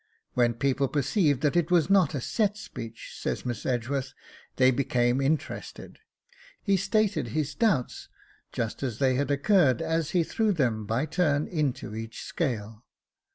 'When people perceived that it was not a set speech,' says Miss Edgeworth, 'they became interested.' He stated his doubts just as they had occurred as he threw them by turn into each scale.